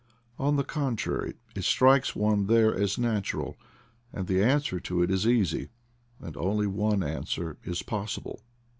On the contrary, it strikes one there as natural ; and the answer to it is easy, and only one answer is possible.